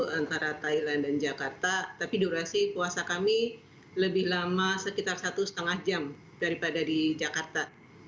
antara thailand dan jakarta tapi durasi puasa kami lebih lama sekitar satu lima jam daripada di jakarta